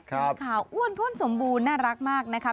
มีข่าวอ้วนท้วนสมบูรณ์น่ารักมากนะคะ